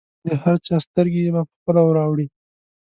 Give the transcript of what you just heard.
د هر چا سترګې به پخپله ورواوړي.